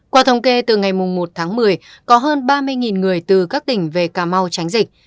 qua thống kê từ ngày một tháng một mươi có hơn ba mươi người từ các tỉnh về cà mau tránh dịch